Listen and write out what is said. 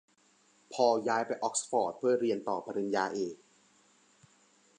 พอลย้ายไปออกฟอร์ดเพื่อเรียนต่อปริญญาเอก